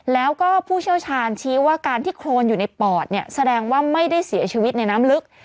แล้วก็ผู้เชี่ยวชาญชี้ว่าการที่โครนอยู่ในปอดเนี่ยแสดงว่าไม่ได้เสียชีวิตในน้ำลึก